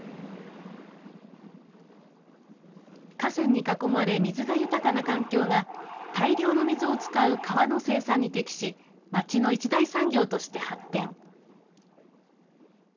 河川に囲まれ、水が豊かな環境が、大量の水を使う革の生産に適し、街の一大産業として発展。